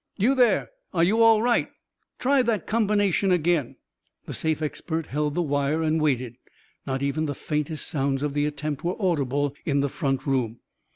You there? Are you all right?... Try that combination again." The safe expert held the wire and waited. Not even the faintest sounds of the attempt were audible in the front room.